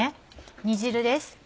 煮汁です。